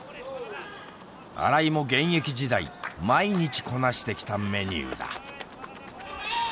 新井も現役時代毎日こなしてきたメニューだ。